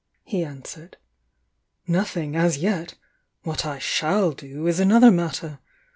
he answered. "Nothing, as yet! What I shall do is another matter!